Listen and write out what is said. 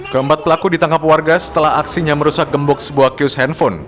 keempat pelaku ditangkap warga setelah aksinya merusak gembok sebuah kios handphone